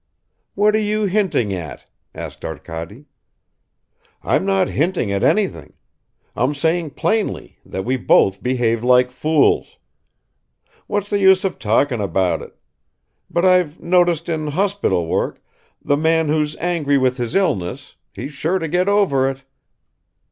"What are you hinting at?" asked Arkady. "I'm not hinting at anything; I'm saying plainly that we both behaved like fools. What's the use of talking about it? But I've noticed in hospital work, the man who's angry with his illness he's sure to get over it."